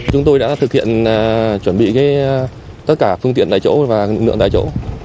chúng tôi đã thực hiện chuẩn bị tất cả phương tiện tại chỗ và lực lượng tại chỗ